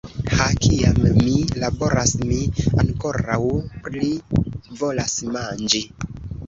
Ha, kiam mi laboras, mi ankoraŭ pli volas manĝi.